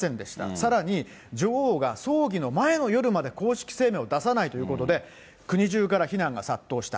さらに、女王が葬儀の前の夜まで公式声明を出さないということで、国中から非難が殺到した。